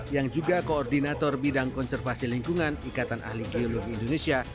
yang juga koordinator bidang konservasi lingkungan ikatan ahli geologi indonesia